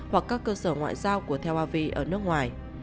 hoặc các cơ sở ngoại giao của tel bavi ở nước ngoài